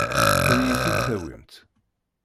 Ad iyi-t-id-tawimt?